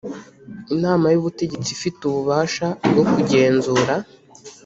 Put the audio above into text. inama y ubutegetsi ifite ububasha bwo kugenzura